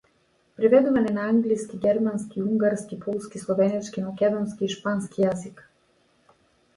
Преведуван е на англиски, германски, унгарски, полски, словенечки, македонски и шпански јазик.